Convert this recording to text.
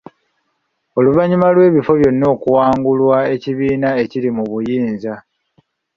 Oluvannyuma lw’ebifo byonna okuwangulwa ekibiina ekiri mu buyinza.